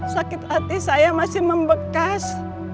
sakit hati saya masih membekas